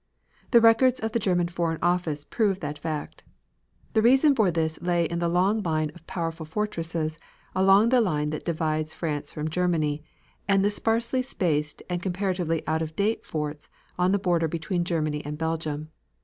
The records of the German Foreign Office prove that fact. The reason for this lay in the long line of powerful fortresses along the line that divides France from Germany and the sparsely spaced and comparatively out of date forts on the border between Germany and Belgium.